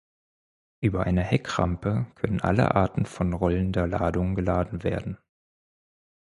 Über eine Heckrampe können alle Arten von rollender Ladung geladen werden.